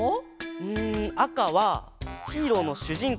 うんあかはヒーローのしゅじん